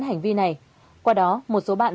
hành vi này qua đó một số bạn